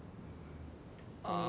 ああ。